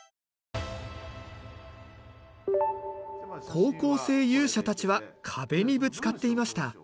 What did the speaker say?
高校生勇者たちは壁にぶつかっていました。